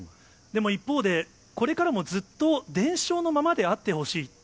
でも、一方で、これからもずっと伝承のままであってほしい。